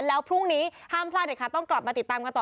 แล้วพรุ่งนี้ห้ามพลาดเด็ดขาดต้องกลับมาติดตามกันต่อ